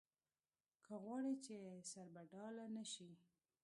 که غواړې چې سربډاله نه شې.